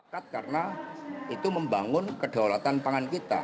karena itu membangun kedaulatan pangan kita